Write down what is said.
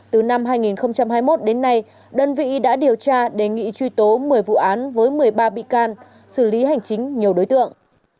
từ năm hai nghìn hai mươi một đến nay đơn vị đã điều tra đề nghị truy tố một mươi vụ án với một mươi ba bị can xử lý hành chính nhiều đối tượng